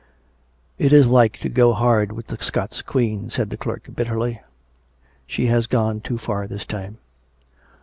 " It is like to go hard with the Scots Queen !" said the clerk bitterly. " She has gone too far this time."